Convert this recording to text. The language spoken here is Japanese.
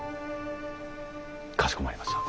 かしこまりました。